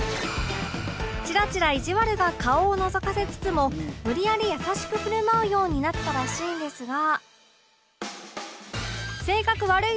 チラチラいじわるが顔をのぞかせつつも無理やり優しく振る舞うようになったらしいんですが